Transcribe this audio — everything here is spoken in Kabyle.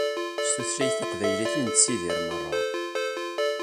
S tutlayt taqbaylit i nettdiri meṛṛa.